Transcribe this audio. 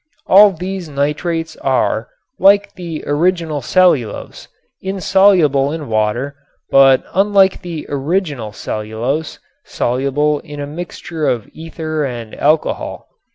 All these nitrates are, like the original cellulose, insoluble in water, but unlike the original cellulose, soluble in a mixture of ether and alcohol.